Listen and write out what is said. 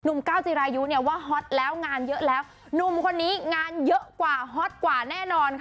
นมเก้าจิรายุว่างานเยอะแล้วก็งานเยอะกว่าแน่นอน